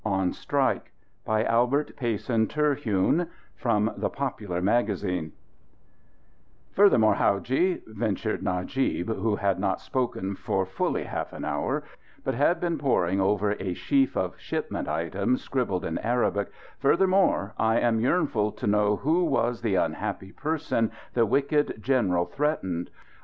ON STRIKE BY ALBERT PAYSON TERHUNE From The Popular Magazine "Furthermore, howadji," ventured Najib, who had not spoken for fully half an hour, but had been poring over a sheaf of shipment items scribbled in Arabic, "furthermore, I am yearnful to know who was the unhappy person the wicked general threatened.